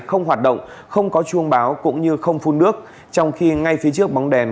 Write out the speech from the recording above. không hoạt động không có chuông báo cũng như không phun nước trong khi ngay phía trước bóng đèn